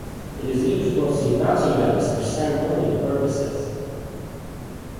It is used mostly in mountain valleys for ceremonial purposes.